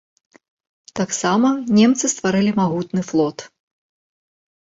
Таксама немцы стварылі магутны флот.